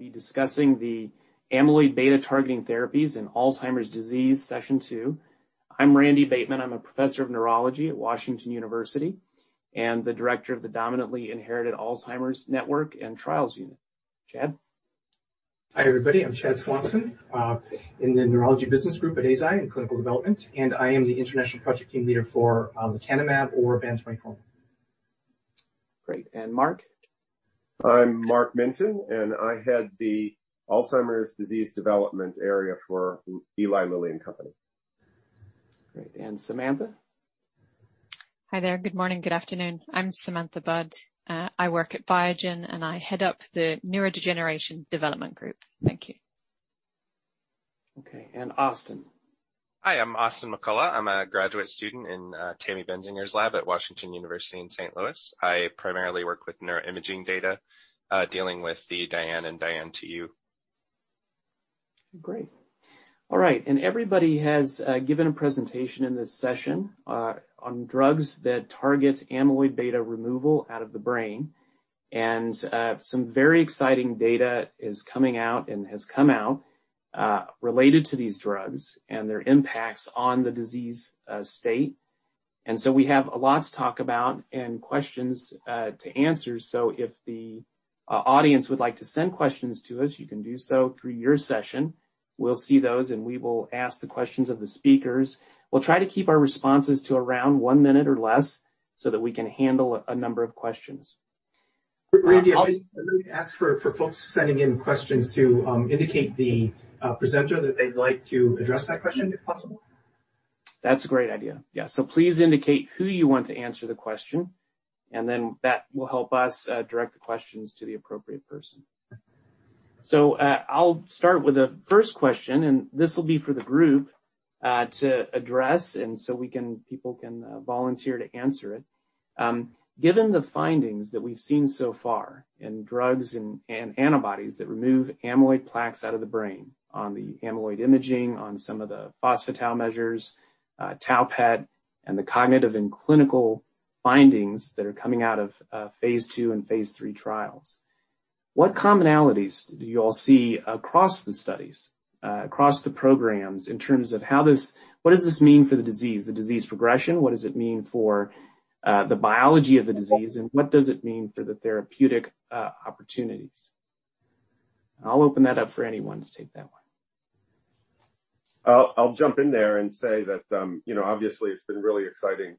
[We will] be discussing the amyloid beta targeting therapies in Alzheimer's disease session two. I'm Randy Bateman. I'm a professor of neurology at Washington University and the director of the Dominantly Inherited Alzheimer Network and Trials Unit. Chad? Hi, everybody. I'm Chad Swanson, in the neurology business group at Eisai in clinical development, and I am the international project team leader for lecanemab or BAN2401. Great. Mark? I'm Mark Mintun, and I head the Alzheimer's disease development area for Eli Lilly and Company. Great. Samantha? Hi there. Good morning. Good afternoon. I'm Samantha Budd. I work at Biogen, and I head up the Neurodegeneration Development Group. Thank you. Okay, Austin. Hi, I'm Austin McCullough. I'm a graduate student in Tammie Benzinger's lab at Washington University in St. Louis. I primarily work with neuroimaging data, dealing with the DIAN and DIAN-TU. Great. All right. Everybody has given a presentation in this session on drugs that target amyloid beta removal out of the brain. Some very exciting data is coming out and has come out related to these drugs and their impacts on the disease state. We have a lot to talk about and questions to answer. If the audience would like to send questions to us, you can do so through your session. We'll see those, and we will ask the questions of the speakers. We'll try to keep our responses to around one minute or less so that we can handle a number of questions. Randy, I would ask for folks sending in questions to indicate the presenter that they'd like to address that question, if possible. That's a great idea. Yeah. Please indicate who you want to answer the question, and then that will help us direct the questions to the appropriate person. I'll start with the first question, and this will be for the group to address, and so people can volunteer to answer it. Given the findings that we've seen so far in drugs and antibodies that remove amyloid plaques out of the brain on the amyloid imaging, on some of the phospho-tau measures, tau PET, and the cognitive and clinical findings that are coming out of phase II and phase III trials, what commonalities do you all see across the studies, across the programs in terms of what does this mean for the disease, the disease progression? What does it mean for the biology of the disease, and what does it mean for the therapeutic opportunities? I'll open that up for anyone to take that one. I'll jump in there and say that obviously it's been really exciting,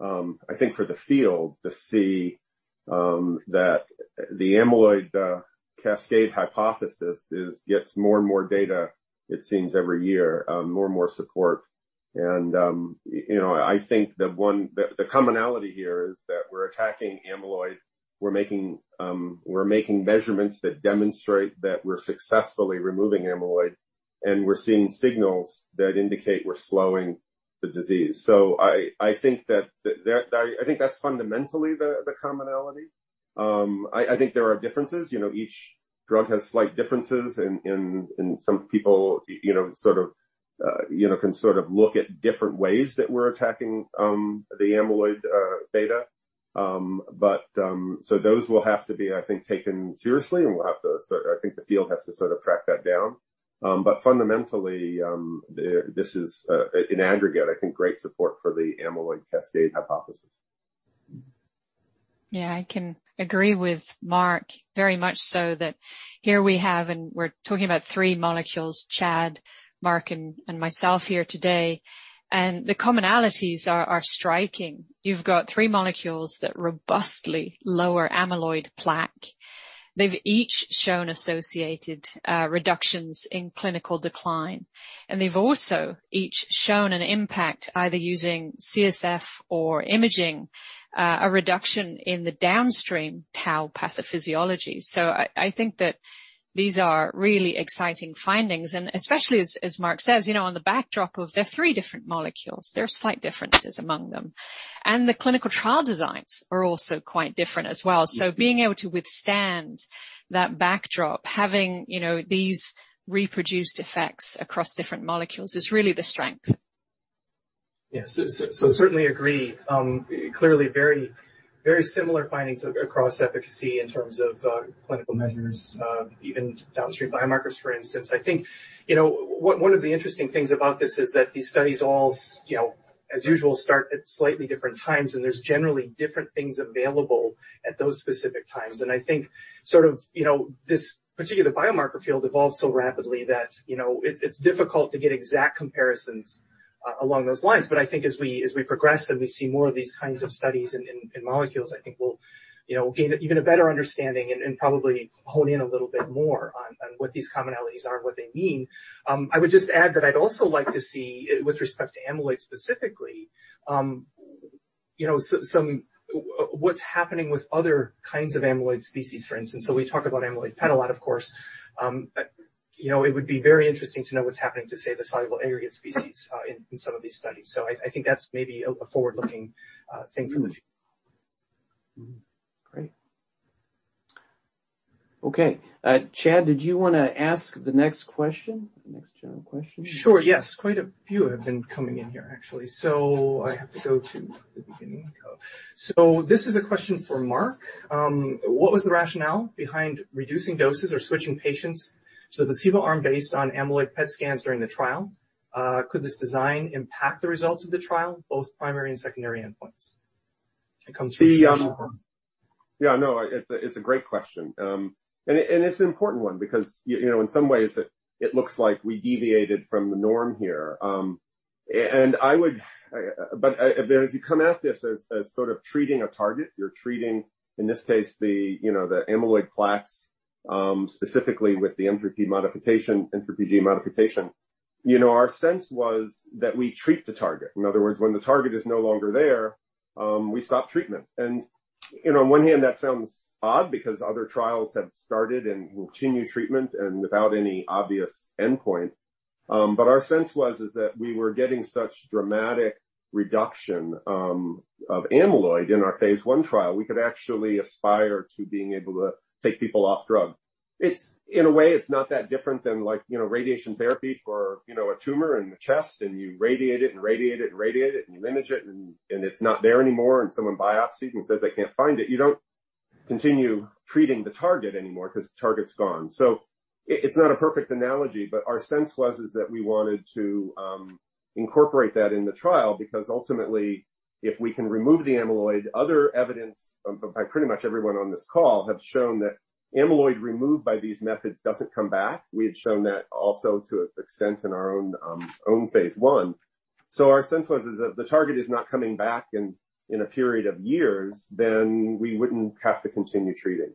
I think, for the field to see that the amyloid cascade hypothesis gets more and more data, it seems every year, more and more support. I think the commonality here is that we're attacking amyloid. We're making measurements that demonstrate that we're successfully removing amyloid, and we're seeing signals that indicate we're slowing the disease. I think that's fundamentally the commonality. I think there are differences. Each drug has slight differences and some people can sort of look at different ways that we're attacking the amyloid beta. Those will have to be, I think, taken seriously, and I think the field has to sort of track that down. Fundamentally, this is an aggregate, I think, great support for the amyloid cascade hypothesis. Yeah, I can agree with Mark very much so that here we have, and we're talking about three molecules, Chad, Mark, and myself here today, and the commonalities are striking. You've got three molecules that robustly lower amyloid plaque. They've each shown associated reductions in clinical decline, and they've also each shown an impact, either using CSF or imaging, a reduction in the downstream tau pathophysiology. I think that these are really exciting findings, and especially as Mark says, on the backdrop of they're three different molecules. There are slight differences among them. The clinical trial designs are also quite different as well. So being able to withstand that backdrop, having these reproduced effects across different molecules is really the strength. Yes. Certainly agree. Clearly very similar findings across efficacy in terms of clinical measures, even downstream biomarkers, for instance. I think one of the interesting things about this is that these studies all, as usual, start at slightly different times, and there's generally different things available at those specific times. I think this particular biomarker field evolves so rapidly that it's difficult to get exact comparisons along those lines. I think as we progress and we see more of these kinds of studies in molecules, I think we'll gain an even better understanding and probably hone in a little bit more on what these commonalities are and what they mean. I would just add that I'd also like to see, with respect to amyloid specifically, what's happening with other kinds of amyloid species, for instance. We talk about amyloid PET a lot, of course. It would be very interesting to know what's happening to, say, the soluble aggregate species in some of these studies. I think that's maybe a forward-looking thing for the future. Great. Okay. Chad, did you want to ask the next question? The next general question? Sure, yes. Quite a few have been coming in here actually. I have to go to the beginning. This is a question for Mark. What was the rationale behind reducing doses or switching patients to the placebo arm based on amyloid PET scans during the trial? Could this design impact the results of the trial, both primary and secondary endpoints? Yeah, no, it's a great question. No, it's an important one because, in some ways, it looks like we deviated from the norm here. If you come at this as sort of treating a target, you're treating, in this case, the amyloid plaques, specifically with the N3pG modification, N3pG modification. Our sense was that we treat the target. In other words, when the target is no longer there, we stop treatment. On one hand, that sounds odd because other trials have started and will continue treatment and without any obvious endpoint. Our sense was is that we were getting such dramatic reduction of amyloid in our phase I trial. We could actually aspire to being able to take people off drug. In a way, it's not that different than radiation therapy for a tumor in the chest, and you radiate it and radiate it and radiate it, and you image it and it's not there anymore, and someone biopsies and says they can't find it. You don't continue treating the target anymore because the target's gone. It's not a perfect analogy, but our sense was is that we wanted to incorporate that in the trial because ultimately, if we can remove the amyloid, other evidence by pretty much everyone on this call have shown that amyloid removed by these methods doesn't come back. We had shown that also to an extent in our own phase I. Our sense was is that the target is not coming back in a period of years, then we wouldn't have to continue treating.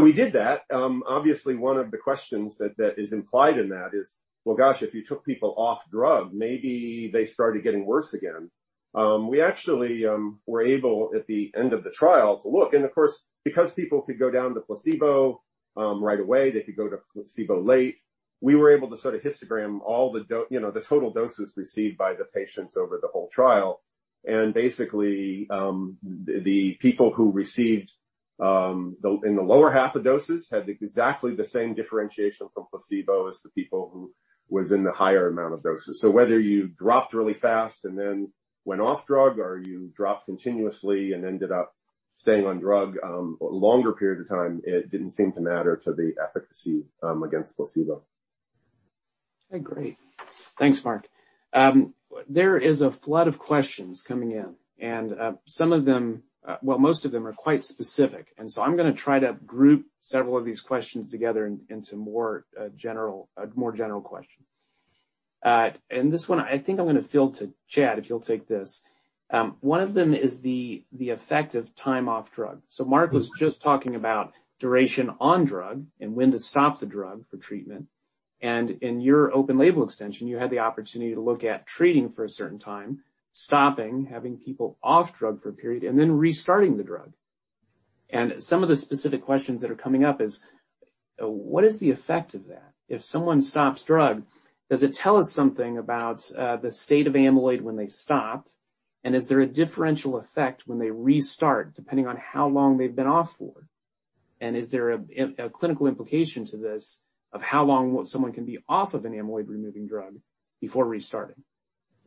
We did that. Obviously, one of the questions that is implied in that is, well, gosh, if you took people off drug, maybe they started getting worse again. We actually were able, at the end of the trial, to look, of course, because people could go down to placebo right away, they could go to placebo late. We were able to sort of histogram all the total doses received by the patients over the whole trial. Basically, the people who received in the lower half of doses had exactly the same differentiation from placebo as the people who was in the higher amount of doses. Whether you dropped really fast and then went off drug, or you dropped continuously and ended up staying on drug a longer period of time, it didn't seem to matter to the efficacy against placebo. Okay, great. Thanks, Mark. There is a flood of questions coming in, some of them, well, most of them are quite specific. I'm going to try to group several of these questions together into a more general question. This one, I think I'm going to field to Chad, if you'll take this. One of them is the effective time off drug. Mark was just talking about duration on drug and when to stop the drug for treatment. In your open-label extension, you had the opportunity to look at treating for a certain time, stopping, having people off drug for a period, and then restarting the drug. Some of the specific questions that are coming up is: What is the effect of that? If someone stops drug, does it tell us something about the state of amyloid when they stopped? Is there a differential effect when they restart, depending on how long they've been off for? Is there a clinical implication to this of how long someone can be off of an amyloid-removing drug before restarting?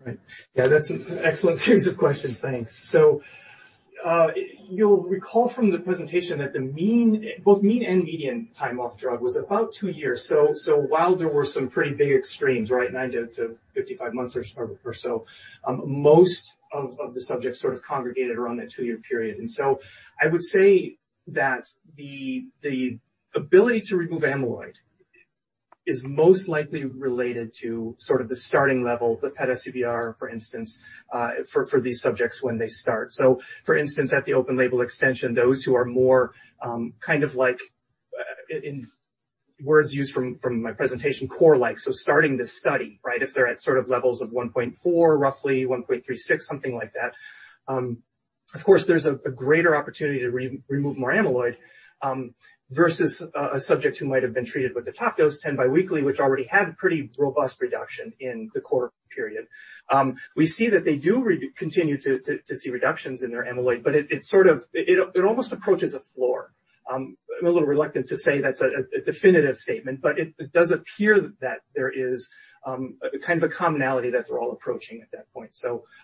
Right. Yeah, that's an excellent series of questions. Thanks. You'll recall from the presentation that both mean and median time off drug was about two years. While there were some pretty big extremes, right, nine to 55 months or so, most of the subjects sort of congregated around that two-year period. I would say that the ability to remove amyloid is most likely related to sort of the starting level, the PET SUVR, for instance, for these subjects when they start. For instance, at the open-label extension, those who are more kind of like, in words used from my presentation, core-like, so starting this study, right, if they're at sort of levels of 1.4 roughly, 1.36, something like that. There's a greater opportunity to remove more amyloid, versus a subject who might have been treated with the top dose ten bi-weekly, which already had pretty robust reduction in the core period. We see that they do continue to see reductions in their amyloid, but it almost approaches a floor. I'm a little reluctant to say that's a definitive statement, but it does appear that there is kind of a commonality that they're all approaching at that point.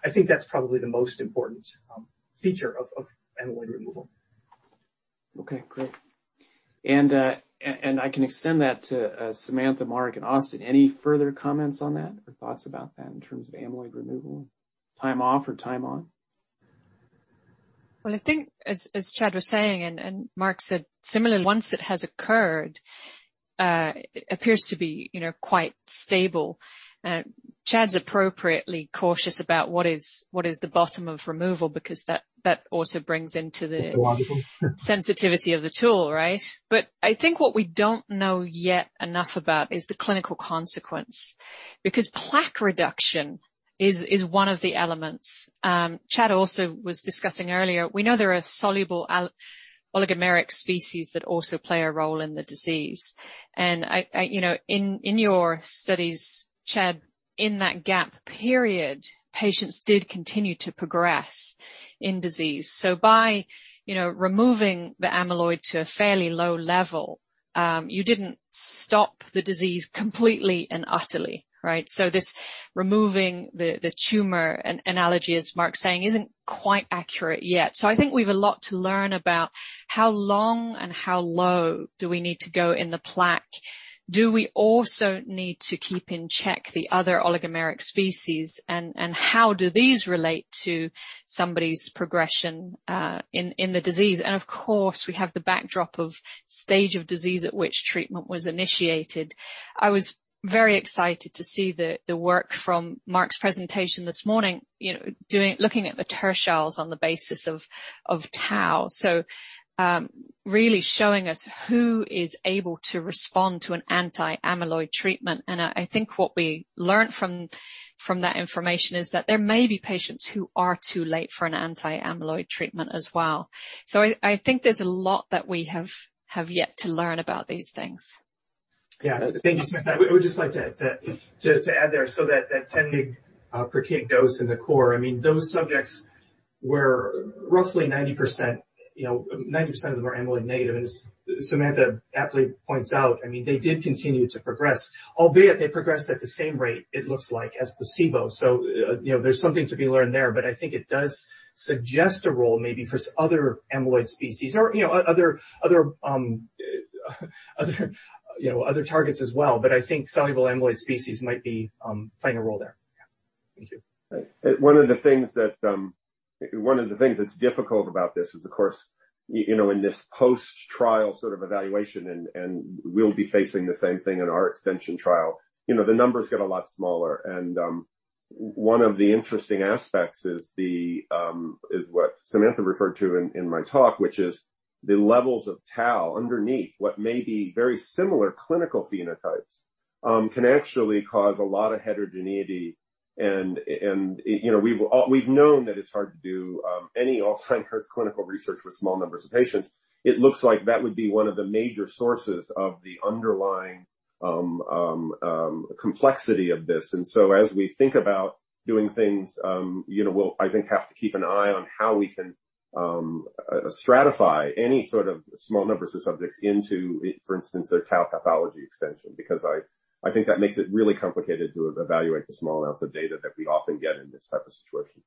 I think that's probably the most important feature of amyloid removal. Okay, great. I can extend that to Samantha, Mark, and Austin. Any further comments on that or thoughts about that in terms of amyloid removal, time off or time on? Well, I think as Chad was saying, and Mark said similarly, once it has occurred, appears to be quite stable. Chad's appropriately cautious about what is the bottom of removal. Wonderful. Sensitivity of the tool, right? I think what we don't know yet enough about is the clinical consequence, because plaque reduction is one of the elements. Chad also was discussing earlier, we know there are soluble oligomeric species that also play a role in the disease. In your studies, Chad, in that gap period, patients did continue to progress in disease. By removing the amyloid to a fairly low level, you didn't stop the disease completely and utterly, right? This removing the tumor analogy, as Mark's saying, isn't quite accurate yet. I think we've a lot to learn about how long and how low do we need to go in the plaque. Do we also need to keep in check the other oligomeric species, and how do these relate to somebody's progression in the disease? Of course, we have the backdrop of stage of disease at which treatment was initiated. I was very excited to see the work from Mark's presentation this morning, looking at the tertiles on the basis of tau. Really showing us who is able to respond to an anti-amyloid treatment. I think what we learned from that information is that there may be patients who are too late for an anti-amyloid treatment as well. I think there's a lot that we have yet to learn about these things. Yeah. Thank you, Samantha. I would just like to add there, that 10 mg per kg dose in the core, those subjects were roughly 90% of them are amyloid negative. As Samantha aptly points out, they did continue to progress, albeit they progressed at the same rate it looks like as placebo. There's something to be learned there, but I think it does suggest a role maybe for other amyloid species or other targets as well. I think soluble amyloid species might be playing a role there. Yeah. Thank you. One of the things that's difficult about this is, of course, in this post-trial sort of evaluation, and we'll be facing the same thing in our extension trial. The numbers get a lot smaller, and one of the interesting aspects is what Samantha referred to in my talk, which is the levels of tau underneath what may be very similar clinical phenotypes can actually cause a lot of heterogeneity. We've known that it's hard to do any Alzheimer's clinical research with small numbers of patients. It looks like that would be one of the major sources of the underlying complexity of this. As we think about doing things, we'll, I think, have to keep an eye on how we can stratify any sort of small numbers of subjects into, for instance, a tau pathology extension. I think that makes it really complicated to evaluate the small amounts of data that we often get in this type of situation.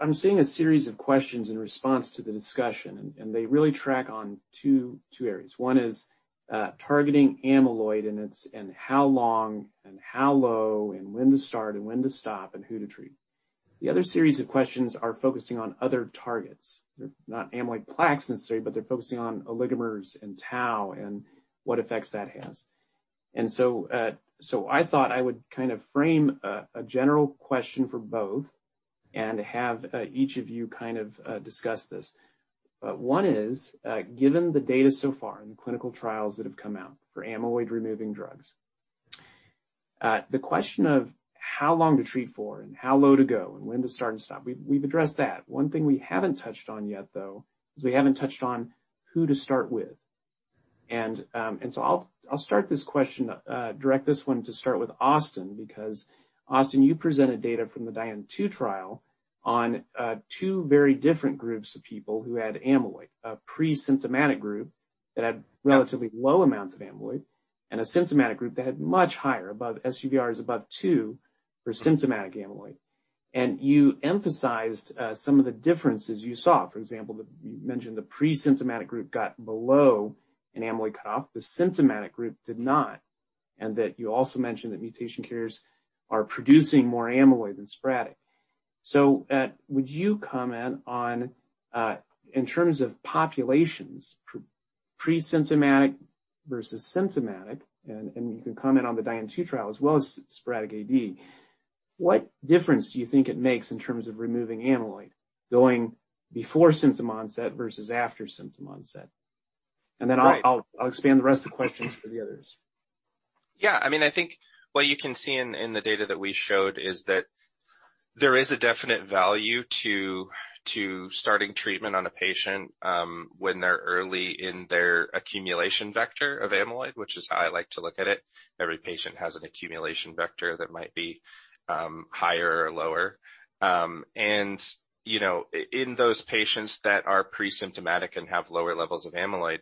I'm seeing a series of questions in response to the discussion, and they really track on two areas. One is targeting amyloid and its how long, and how low, and when to start, and when to stop, and who to treat. The other series of questions are focusing on other targets. They're not amyloid plaques necessarily, but they're focusing on oligomers and tau and what effects that has. I thought I would kind of frame a general question for both and have each of you discuss this. One is, given the data so far and the clinical trials that have come out for amyloid-removing drugs. The question of how long to treat for, and how low to go, and when to start and stop, we've addressed that. One thing we haven't touched on yet, though, is we haven't touched on who to start with. I'll direct this one to start with Austin, because Austin, you presented data from the DIAN-TU trial on two very different groups of people who had amyloid. A pre-symptomatic group that had relatively low amounts of amyloid and a symptomatic group that had much higher, SUVRs above two for symptomatic amyloid. You emphasized some of the differences you saw. For example, you mentioned the pre-symptomatic group got below an amyloid cutoff, the symptomatic group did not. That you also mentioned that mutation carriers are producing more amyloid than sporadic. Would you comment on, in terms of populations, pre-symptomatic versus symptomatic, and you can comment on the DIAN-TU trial as well as sporadic AD. What difference do you think it makes in terms of removing amyloid going before symptom onset versus after symptom onset? Right. I'll expand the rest of the questions for the others. Yeah, I think what you can see in the data that we showed is that there is a definite value to starting treatment on a patient when they're early in their accumulation vector of amyloid, which is how I like to look at it. Every patient has an accumulation vector that might be higher or lower. In those patients that are pre-symptomatic and have lower levels of amyloid,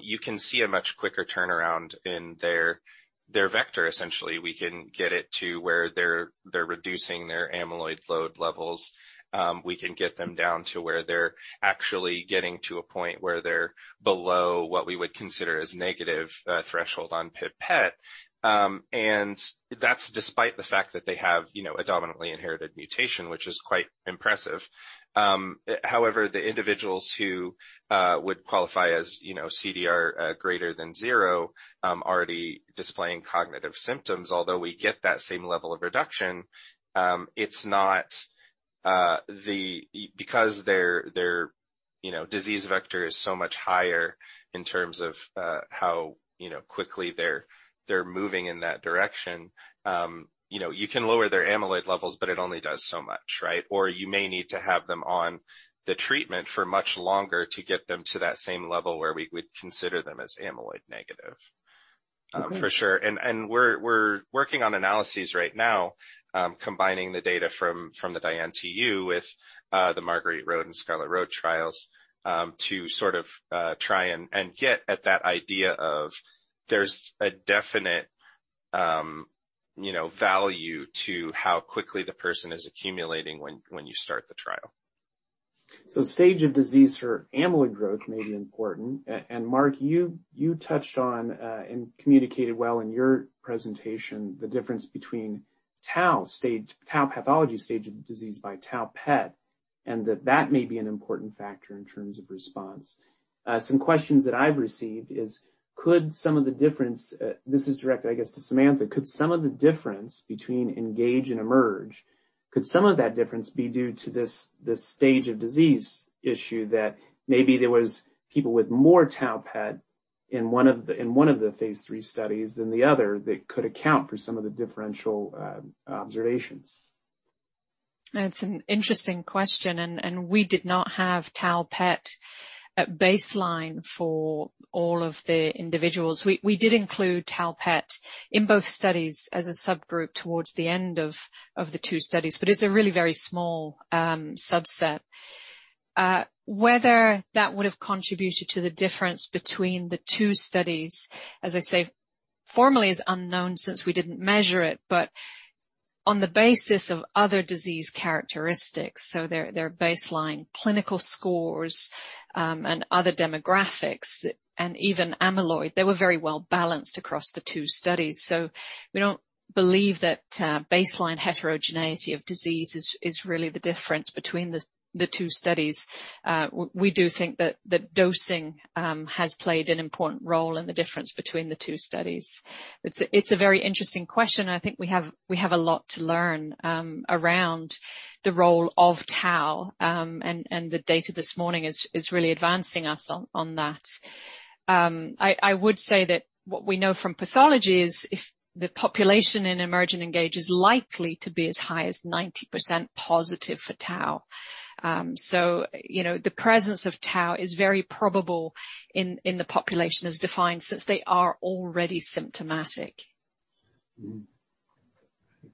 you can see a much quicker turnaround in their vector, essentially. We can get it to where they're reducing their amyloid load levels. We can get them down to where they're actually getting to a point where they're below what we would consider as negative threshold on PiB PET. That's despite the fact that they have a dominantly inherited mutation, which is quite impressive. The individuals who would qualify as CDR greater than zero, already displaying cognitive symptoms, although we get that same level of reduction. Their disease vector is so much higher in terms of how quickly they're moving in that direction. You can lower their amyloid levels, but it only does so much, right? You may need to have them on the treatment for much longer to get them to that same level where we would consider them as amyloid negative. Okay. For sure. We're working on analyses right now combining the data from the DIAN-TU with the Marguerite RoAD and Scarlett RoAD trials to sort of try and get at that idea of there's a definite value to how quickly the person is accumulating when you start the trial. Stage of disease for amyloid growth may be important. Mark, you touched on and communicated well in your presentation the difference between tau pathology stage of disease by tau PET, and that that may be an important factor in terms of response. Some questions that I've received is, this is directed, I guess, to Samantha, could some of the difference between ENGAGE and EMERGE, could some of that difference be due to this stage of disease issue that maybe there was people with more tau PET in one of the phase III studies than the other that could account for some of the differential observations? That's an interesting question. We did not have tau PET at baseline for all of the individuals. We did include tau PET in both studies as a subgroup towards the end of the two studies. It's a really very small subset. Whether that would've contributed to the difference between the two studies, as I say, formally is unknown since we didn't measure it, but on the basis of other disease characteristics, so their baseline clinical scores, and other demographics and even amyloid, they were very well-balanced across the two studies. We don't believe that baseline heterogeneity of disease is really the difference between the two studies. We do think that dosing has played an important role in the difference between the two studies. It's a very interesting question, and I think we have a lot to learn around the role of tau, and the data this morning is really advancing us on that. I would say that what we know from pathology is if the population in EMERGE and ENGAGE is likely to be as high as 90% positive for tau. The presence of tau is very probable in the population as defined, since they are already symptomatic.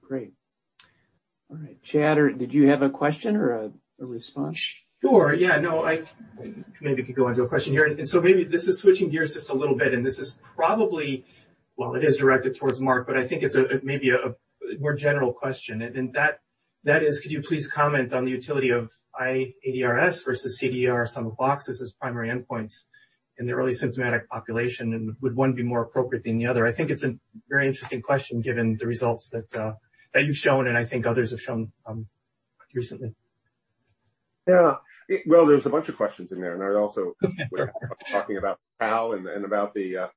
Great. All right. Chad, did you have a question or a response? Sure. Yeah. No, I maybe could go into a question here. Maybe this is switching gears just a little bit, and this is probably, well, it is directed towards Mark, but I think it's maybe a more general question, and that is, could you please comment on the utility of iADRS versus CDR Sum of Boxes as primary endpoints in the early symptomatic population, and would one be more appropriate than the other? I think it's a very interesting question given the results that you've shown and I think others have shown recently. Yeah. There's a bunch of questions in there, we're talking about tau and about the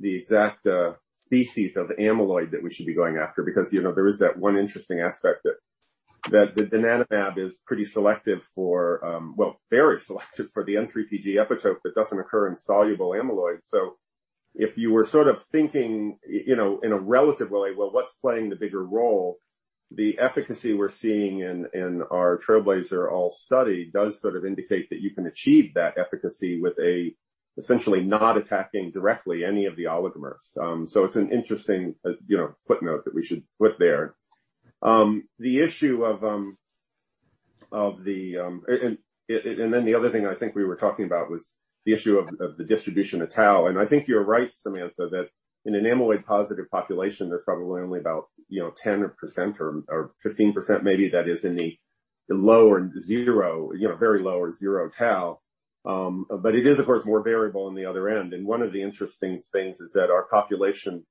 exact species of amyloid that we should be going after because there is that one interesting aspect that donanemab is pretty selective for, well, very selective for the N3pG epitope that doesn't occur in soluble amyloid. If you were sort of thinking, in a relative way, "Well, what's playing the bigger role?" The efficacy we're seeing in our TRAILBLAZER-ALZ study does sort of indicate that you can achieve that efficacy with essentially not attacking directly any of the oligomers. It's an interesting footnote that we should put there. The other thing I think we were talking about was the issue of the distribution of tau, and I think you're right, Samantha, that in an amyloid-positive population, there's probably only about 10% or 15%, maybe, that is in the lower zero, very low or zero tau. It is, of course, more variable on the other end. One of the interesting things is that our population,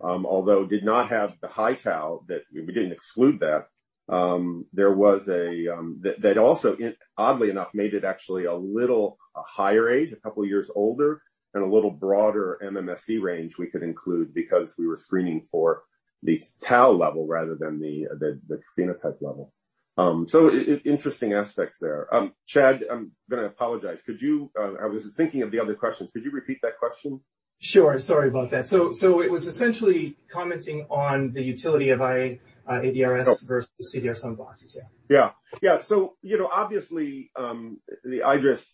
although did not have the high tau, we didn't exclude that. That also, oddly enough, made it actually a little higher age, a couple of years older, and a little broader MMSE range we could include because we were screening for the tau level rather than the phenotype level. Interesting aspects there. Chad, I'm going to apologize. I was just thinking of the other questions. Could you repeat that question? Sure. Sorry about that. It was essentially commenting on the utility of iADRS versus CDR Sum of Boxes. Yeah. Obviously, the iADRS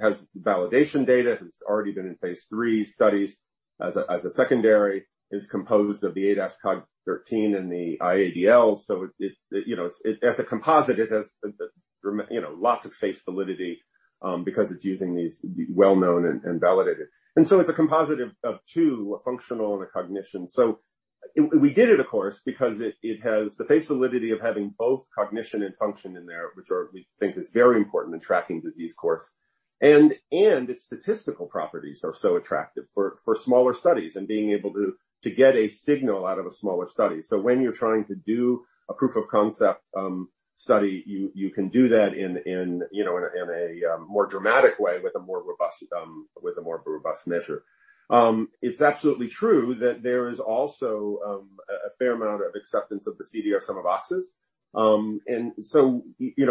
has validation data, has already been in phase III studies as a secondary, is composed of the ADAS-Cog 13 and the IADL. As a composite, it has lots of face validity, because it's using these well-known and validated. It's a composite of two, a functional and a cognition. We did it, of course, because it has the face validity of having both cognition and function in there, which we think is very important in tracking disease course. Its statistical properties are so attractive for smaller studies and being able to get a signal out of a smaller study. When you're trying to do a proof of concept study, you can do that in a more dramatic way with a more robust measure. It is absolutely true that there is also a fair amount of acceptance of the CDR Sum of Boxes.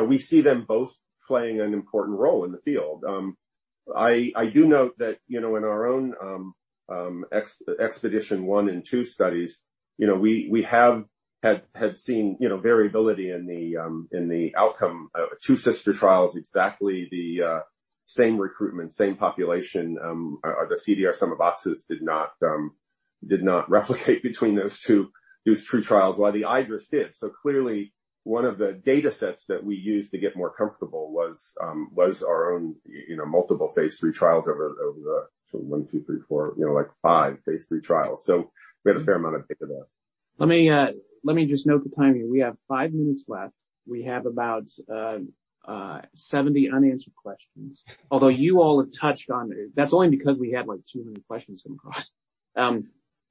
We see them both playing an important role in the field. I do note that in our own EXPEDITION 1 and 2 studies, we have had seen variability in the outcome. Two sister trials, exactly the same recruitment, same population. The CDR Sum of Boxes did not replicate between those two phase III trials while the iADRS did. Clearly, one of the data sets that we used to get more comfortable was our own multiple phase III trials over the, so one, two, three, four, five phase III trials. We had a fair amount of data there. Let me just note the timing. We have five minutes left. We have about 70 unanswered questions. Although you all have touched on it. That's only because we had 200 questions come across.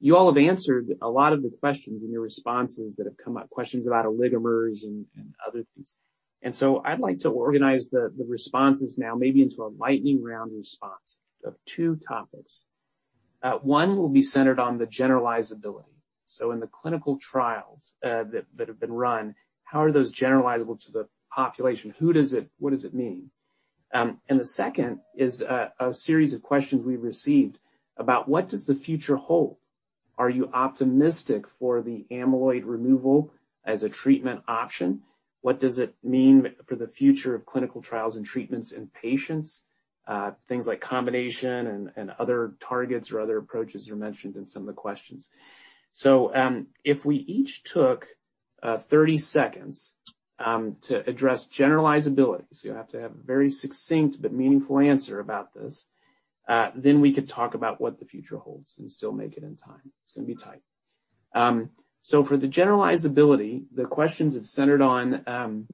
You all have answered a lot of the questions in your responses that have come up, questions about oligomers and other things. I'd like to organize the responses now maybe into a lightning round response of two topics. One will be centered on the generalizability. In the clinical trials that have been run, how are those generalizable to the population? What does it mean? The second is a series of questions we received about what does the future hold. Are you optimistic for the amyloid removal as a treatment option? What does it mean for the future of clinical trials and treatments in patients? Things like combination and other targets or other approaches are mentioned in some of the questions. If we each took 30 seconds to address generalizability, so you have to have a very succinct but meaningful answer about this, then we could talk about what the future holds and still make it in time. It's going to be tight. For the generalizability, the questions have centered on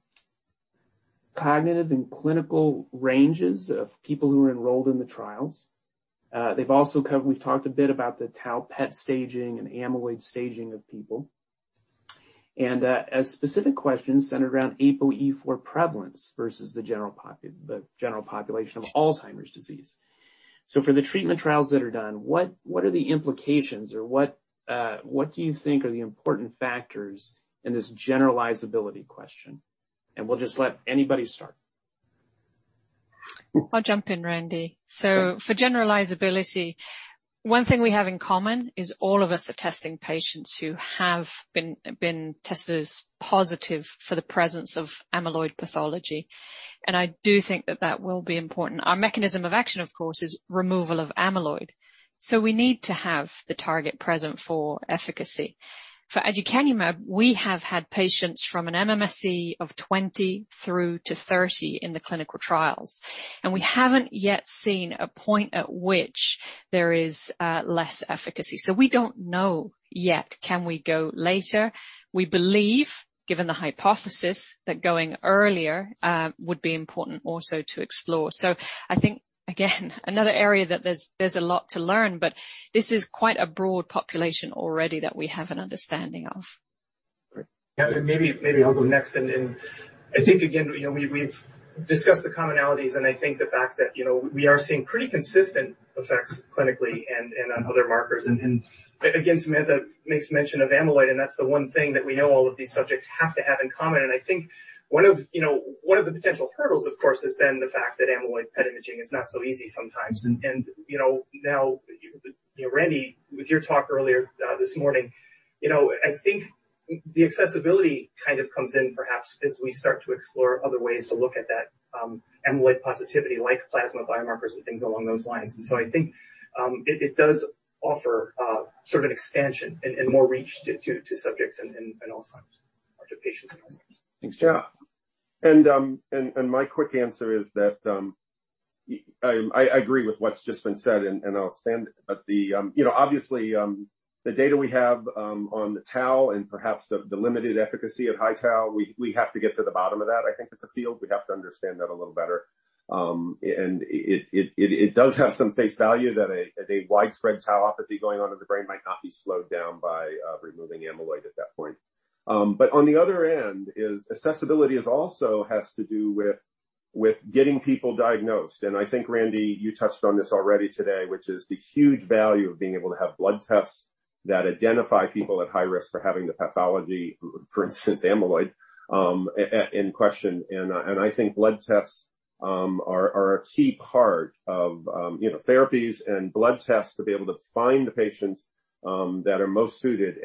cognitive and clinical ranges of people who are enrolled in the trials. We've talked a bit about the tau PET staging and amyloid staging of people. A specific question centered around APOE4 prevalence versus the general population of Alzheimer's disease. For the treatment trials that are done, what are the implications or what do you think are the important factors in this generalizability question? We'll just let anybody start. I'll jump in, Randy. For generalizability, one thing we have in common is all of us are testing patients who have been tested as positive for the presence of amyloid pathology, and I do think that that will be important. Our mechanism of action, of course, is removal of amyloid. We need to have the target present for efficacy. For aducanumab, we have had patients from an MMSE of 20 through to 30 in the clinical trials, and we haven't yet seen a point at which there is less efficacy. We don't know yet, can we go later? We believe, given the hypothesis, that going earlier would be important also to explore. I think, again, another area that there's a lot to learn, but this is quite a broad population already that we have an understanding of. Yeah. Maybe I'll go next. I think, again, we've discussed the commonalities, and I think the fact that we are seeing pretty consistent effects clinically and on other markers. Again, Samantha makes mention of amyloid, and that's the one thing that we know all of these subjects have to have in common. I think one of the potential hurdles, of course, has been the fact that amyloid PET imaging is not so easy sometimes. Now, Randy, with your talk earlier this morning, I think the accessibility kind of comes in perhaps as we start to explore other ways to look at that amyloid positivity like plasma biomarkers and things along those lines. I think it does offer sort of an expansion and more reach to subjects and Alzheimer's to patients. Thanks, Joe. Yeah. My quick answer is that I agree with what's just been said. Obviously, the data we have on the tau and perhaps the limited efficacy of high tau, we have to get to the bottom of that. I think as a field, we have to understand that a little better. It does have some face value that a widespread tauopathy going on in the brain might not be slowed down by removing amyloid at that point. On the other end is accessibility is also has to do with getting people diagnosed. I think, Randy, you touched on this already today, which is the huge value of being able to have blood tests that identify people at high risk for having the pathology, for instance, amyloid, in question. I think blood tests are a key part of therapies and blood tests to be able to find the patients that are most suited.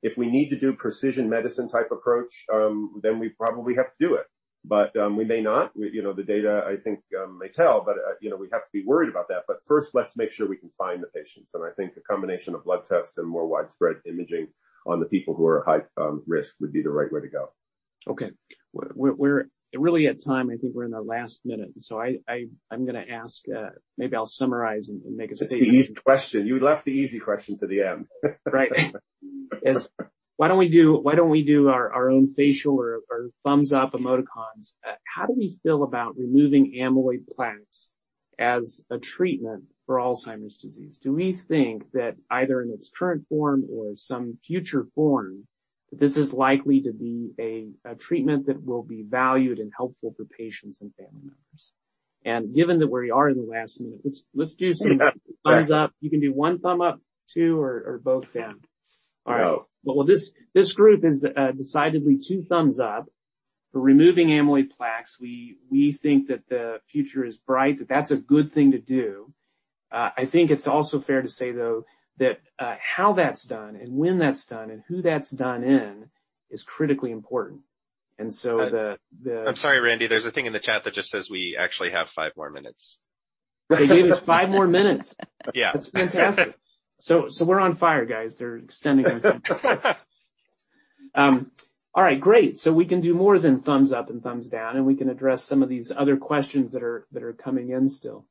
If we need to do precision medicine type approach, then we probably have to do it. We may not. The data, I think, may tell, but we have to be worried about that. First, let's make sure we can find the patients. I think a combination of blood tests and more widespread imaging on the people who are high risk would be the right way to go. Okay. We're really at time. I think we're in our last minute. I'm going to ask, maybe I'll summarize and make a statement. That's the easy question. You left the easy question to the end. Right. Why don't we do our own facial or thumbs up emoticons. How do we feel about removing amyloid plaques as a treatment for Alzheimer's disease? Do we think that either in its current form or some future form, that this is likely to be a treatment that will be valued and helpful for patients and family members? Given that we are in the last minute, let's do some thumbs up. You can do one thumb up, two, or both down. All right. Well, this group is decidedly two thumbs up for removing amyloid plaques. We think that the future is bright, that that's a good thing to do. I think it's also fair to say, though, that how that's done and when that's done and who that's done in is critically important. I'm sorry, Randy. There's a thing in the chat that just says we actually have five more minutes. They gave us five more minutes. Yeah. That's fantastic. We're on fire, guys. They're extending our time. All right, great. We can do more than thumbs up and thumbs down, and we can address some of these other questions that are coming in still.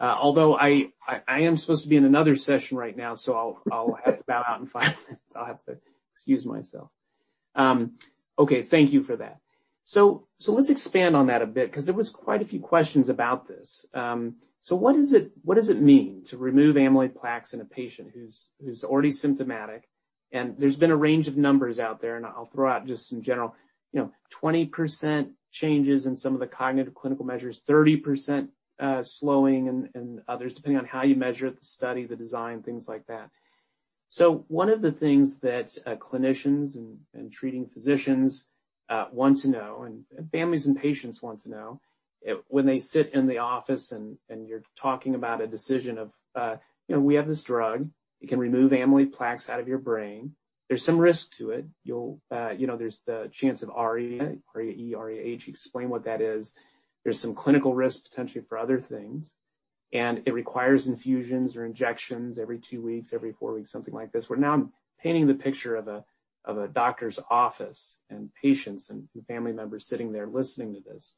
Although I am supposed to be in another session right now, so I'll have to bow out in five minutes. I'll have to excuse myself. Okay, thank you for that. Let's expand on that a bit, because there was quite a few questions about this. What does it mean to remove amyloid plaques in a patient who's already symptomatic? There's been a range of numbers out there, and I'll throw out just in general, 20% changes in some of the cognitive clinical measures, 30% slowing in others, depending on how you measure it, the study, the design, things like that. One of the things that clinicians and treating physicians want to know, and families and patients want to know, when they sit in the office and you're talking about a decision of, we have this drug, it can remove amyloid plaques out of your brain. There's some risk to it. There's the chance of ARIA, A-R-I-A, you explain what that is. There's some clinical risk potentially for other things, and it requires infusions or injections every two weeks, every four weeks, something like this, where now I'm painting the picture of a doctor's office and patients and family members sitting there listening to this.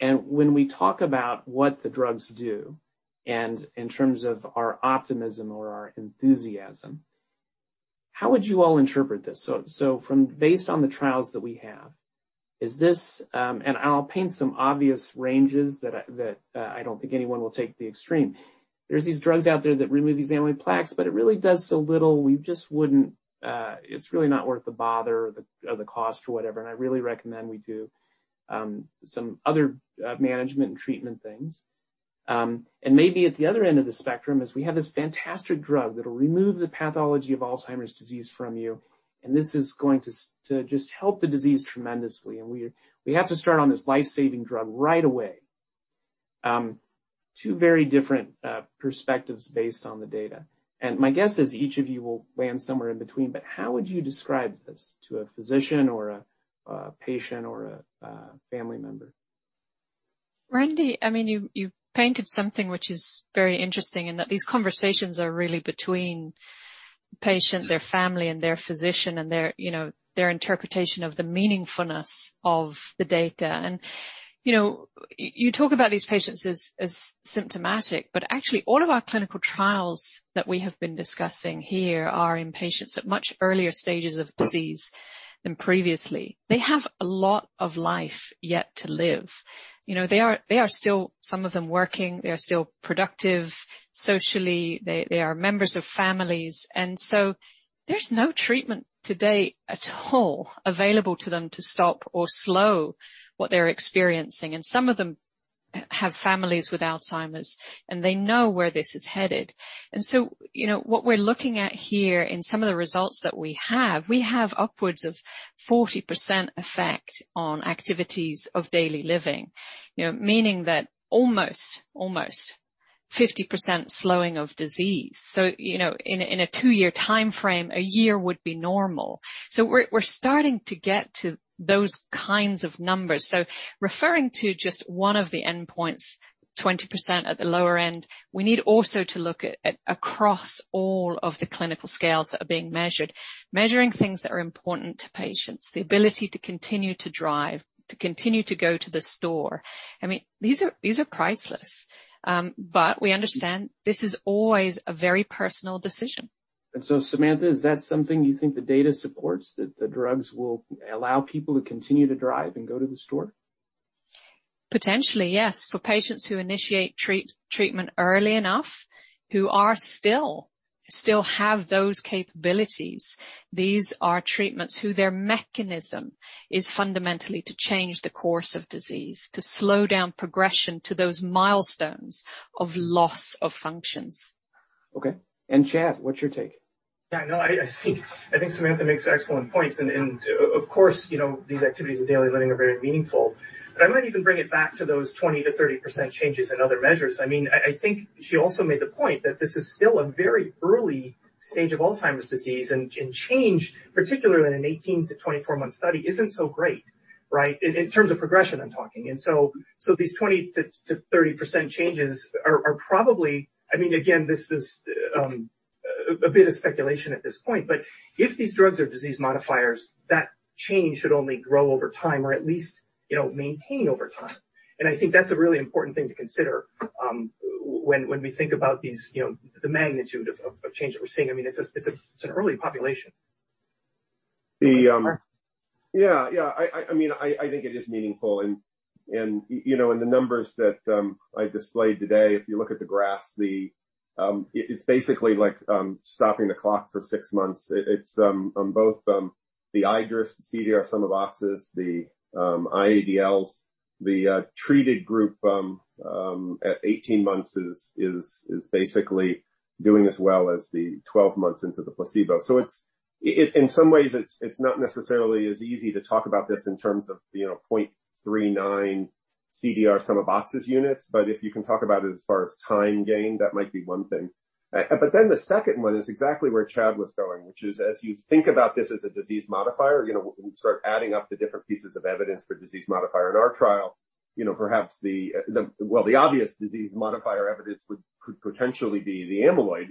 When we talk about what the drugs do and in terms of our optimism or our enthusiasm, how would you all interpret this? Based on the trials that we have, and I'll paint some obvious ranges that I don't think anyone will take the extreme. There's these drugs out there that remove these amyloid plaques, but it really does so little, it's really not worth the bother or the cost or whatever, and I really recommend we do some other management and treatment things. Maybe at the other end of the spectrum is we have this fantastic drug that'll remove the pathology of Alzheimer's disease from you, and this is going to just help the disease tremendously, and we have to start on this life-saving drug right away. Two very different perspectives based on the data. My guess is each of you will land somewhere in between, but how would you describe this to a physician or a patient or a family member? Randy, you painted something which is very interesting in that these conversations are really between patient, their family, and their physician, and their interpretation of the meaningfulness of the data. You talk about these patients as symptomatic, but actually, all of our clinical trials that we have been discussing here are in patients at much earlier stages of disease than previously. They have a lot of life yet to live. They are still, some of them working, they are still productive socially. They are members of families. There's no treatment today at all available to them to stop or slow what they're experiencing. Some of them have families with Alzheimer's, and they know where this is headed. What we're looking at here in some of the results that we have, we have upwards of 40% effect on activities of daily living, meaning that almost 50% slowing of disease. In a two-year timeframe, a year would be normal. We're starting to get to those kinds of numbers. Referring to just one of the endpoints, 20% at the lower end, we need also to look at across all of the clinical scales that are being measured, measuring things that are important to patients, the ability to continue to drive, to continue to go to the store. These are priceless. We understand this is always a very personal decision. Samantha, is that something you think the data supports that the drugs will allow people to continue to drive and go to the store? Potentially, yes, for patients who initiate treatment early enough, who still have those capabilities. These are treatments who their mechanism is fundamentally to change the course of disease, to slow down progression to those milestones of loss of functions. Okay. Chad, what's your take? Yeah, no, I think Samantha makes excellent points and of course, these activities of daily living are very meaningful. I might even bring it back to those 20%-30% changes in other measures. I think she also made the point that this is still a very early stage of Alzheimer's disease and change, particularly in an 18-24-month study, isn't so great. Right? In terms of progression, I'm talking. These 20%-30% changes are probably, again, this is a bit of speculation at this point, but if these drugs are disease modifiers, that change should only grow over time or at least maintain over time. I think that's a really important thing to consider, when we think about the magnitude of change that we're seeing. It's an early population. Yeah. I think it is meaningful and in the numbers that I displayed today, if you look at the graphs, it's basically like stopping the clock for six months. It's on both the iADRS, CDR Sum of Boxes, the IADLs. The treated group at 18 months is basically doing as well as the 12 months into the placebo. In some ways, it's not necessarily as easy to talk about this in terms of 0.39 CDR Sum of Boxes units. If you can talk about it as far as time gain, that might be one thing. The second one is exactly where Chad was going, which is as you think about this as a disease modifier, we start adding up the different pieces of evidence for disease modifier in our trial. The obvious disease modifier evidence could potentially be the amyloid.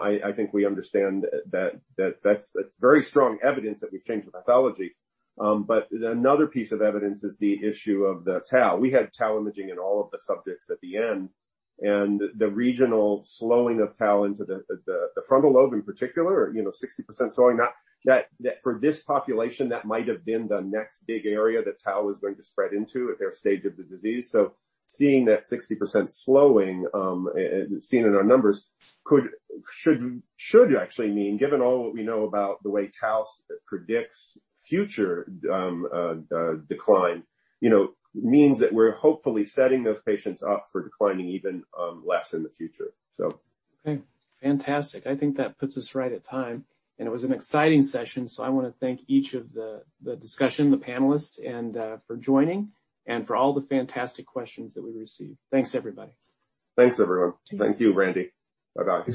I think we understand that that's very strong evidence that we've changed the pathology. Another piece of evidence is the issue of the tau. We had tau imaging in all of the subjects at the end, and the regional slowing of tau into the frontal lobe in particular, 60% slowing. For this population, that might have been the next big area that tau was going to spread into at their stage of the disease. Seeing that 60% slowing seen in our numbers should actually mean, given all what we know about the way tau predicts future decline, means that we're hopefully setting those patients up for declining even less in the future. Okay. Fantastic. I think that puts us right at time, and it was an exciting session. I want to thank each of the panelists, and for joining and for all the fantastic questions that we received. Thanks, everybody. Thanks, everyone. Thank you, Randy. Bye-bye.